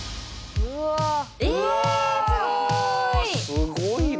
すごいね。